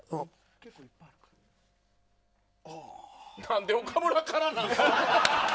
なんで岡村からなんですか。